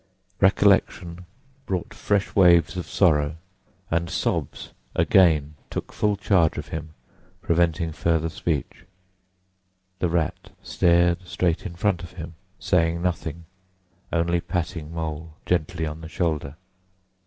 Recollection brought fresh waves of sorrow, and sobs again took full charge of him, preventing further speech. The Rat stared straight in front of him, saying nothing, only patting Mole gently on the shoulder.